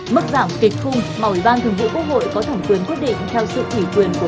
mức giảm kịch khung mà ủy ban thường hữu quốc hội có thẩm quyền quyết định theo sự ủy quyền của